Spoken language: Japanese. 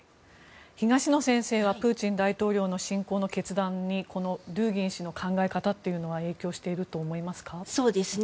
東野先生はプーチン大統領の侵攻の決断にこのドゥーギン氏の考え方というのは影響していると思いますか。